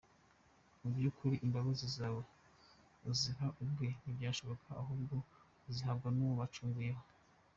Mu by’ukuri imbabazi ntawe uziha ubwe, ntibyashoboka, ahubwo uzihabwa n’uwo wacumuyeho.